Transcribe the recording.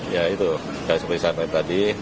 ya itu seperti saya katakan tadi